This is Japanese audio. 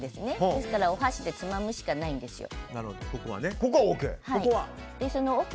ですからお箸でつまむしかないんですよ。